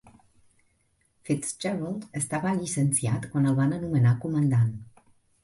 FitzGerald estava llicenciat quan el van anomenar comandant.